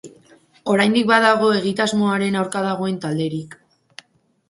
Oraindik badago egitasmoaren aurka dagoen talderik.